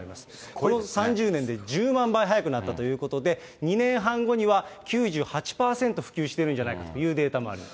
この３０年で１０万倍速くなったということで、２年半後には９８％普及してるんじゃないかというデータもありま